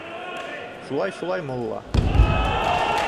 — Шулай, шулай, мулла.